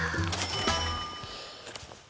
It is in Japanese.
あ。